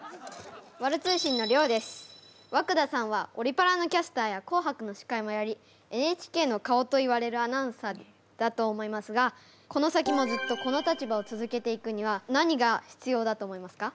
和久田さんはオリパラのキャスターや「紅白」の司会もやりＮＨＫの顔といわれるアナウンサーだと思いますがこの先もずっとこの立場を続けていくには何が必要だと思いますか？